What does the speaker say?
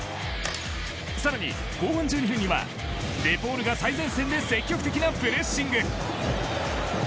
さらに、後半１２分にはデポールが最前線で積極的なプレッシング。